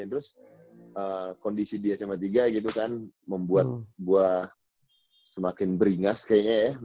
terus kondisi dia sma tiga gitu kan membuat gue semakin beringas kayaknya ya